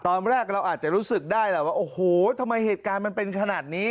ตอนแรกเราอาจจะรู้สึกได้แหละว่าโอ้โหทำไมเหตุการณ์มันเป็นขนาดนี้